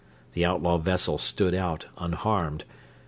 The outlaw vessel stood out, unharmed.